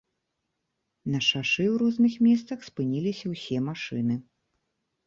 На шашы, у розных месцах, спыніліся ўсе машыны.